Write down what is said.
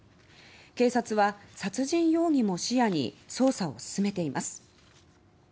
警察は殺人容疑も視野に捜査を進めています。